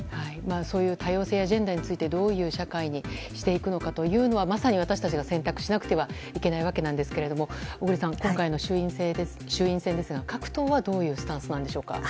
そういう多様性ジェンダーについてどういう社会にしていくのかというのはまさに私たちが選択しなくてはいけないわけですが小栗さん、今回の衆院選ですが各党はどういうスタンスでしょうか。